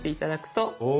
お！